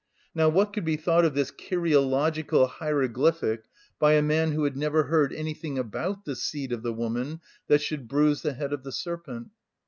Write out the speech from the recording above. Now what could be thought of this kyriological hieroglyphic by a man who had never heard anything about the seed of the woman that should bruise the head of the serpent?